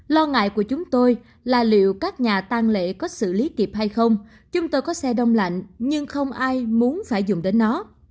lo ngại của chúng tôi là liệu các nhà tăng lễ có xử lý kịp hay không chúng tôi có xe đông lạnh nhưng không ai muốn phải dùng đến nó